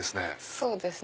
そうですね。